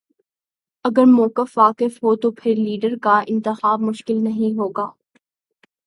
اگر موقف واضح ہو تو پھر لیڈر کا انتخاب مشکل نہیں ہو گا۔